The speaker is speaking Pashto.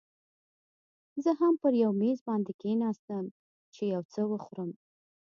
زه هم پر یو میز باندې کښېناستم، چې یو څه وخورم.